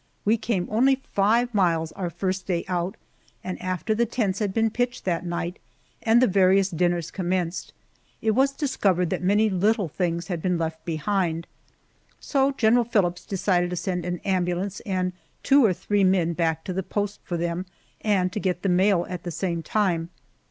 We came only five miles our first day out, and after the tents had been pitched that night and the various dinners commenced, it was discovered that many little things had been left behind, so General Phillips decided to send an ambulance and two or three men back to the post for them, and to get the mail at the same time.